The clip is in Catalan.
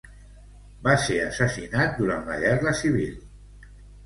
Va ser assassinat durant la Guerra Civil espanyola.